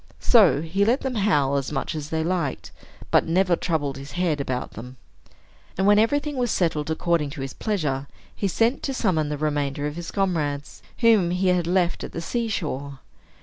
So he let them howl as much as they liked, but never troubled his head about them. And, when everything was settled according to his pleasure, he sent to summon the remainder of his comrades, whom he had left at the sea shore.